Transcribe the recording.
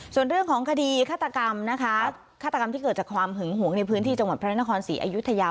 ส่วนเรื่องของคดีฆาตกรรมนะคะฆาตกรรมที่เกิดจากความหึงหวงในพื้นที่จังหวัดพระนครศรีอยุธยา